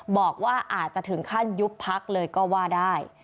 บอกว่าอาจจะถึงขั้นยุบพักเลยก็ว่าได้